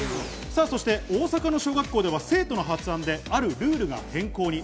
そして大阪の小学校では生徒の発案であるルールが変更に。